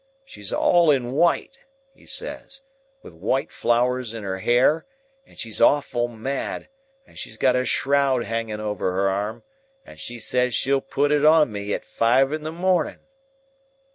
She's all in white,' he says, 'wi' white flowers in her hair, and she's awful mad, and she's got a shroud hanging over her arm, and she says she'll put it on me at five in the morning.